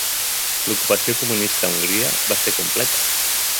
L'ocupació comunista a Hongria va ser completa.